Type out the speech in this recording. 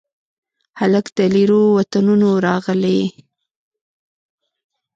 هلک د لیرو وطنونو راغلي